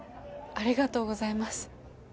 ありがとうございます。